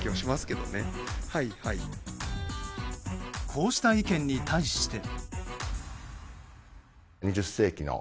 こうした意見に対して。